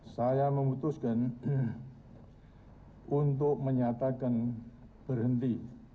saya memutuskan untuk menyatakan berhenti